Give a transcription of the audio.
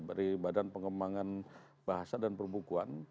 dari badan pengembangan bahasa dan perbukuan